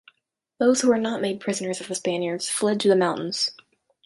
Those who were not made prisoners of the Spaniards fled to the mountains.